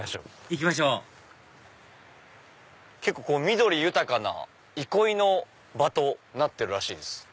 行きましょう結構緑豊かな憩いの場となってるらしいです。